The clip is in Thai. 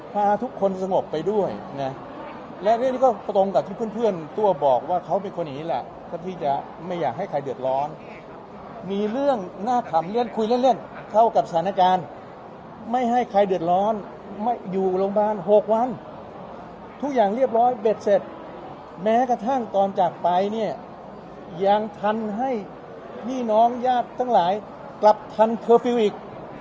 พาทุกคนสงบไปด้วยนะและเรื่องนี้ก็ตรงกับที่เพื่อนตัวบอกว่าเขาเป็นคนอย่างนี้แหละเพื่อที่จะไม่อยากให้ใครเดือดร้อนมีเรื่องน่าขำเล่นคุยเล่นเล่นเข้ากับสถานการณ์ไม่ให้ใครเดือดร้อนไม่อยู่โรงพยาบาล๖วันทุกอย่างเรียบร้อยเบ็ดเสร็จแม้กระทั่งตอนจากไปเนี่ยยังทันให้พี่น้องญาติทั้งหลายกลับทันเคอร์ฟิลล์อีก